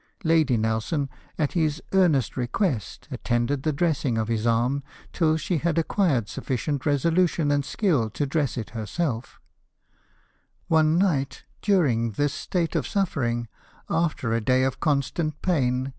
Lady Nelson, at his earnest request, attended the dressing his arm till she had acquired sufficient resolution and skill to dress it herself One night, during this state of suffering, after a day of constant pain.